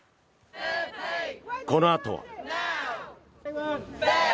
このあとは。